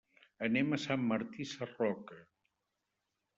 Anem a Sant Martí Sarroca.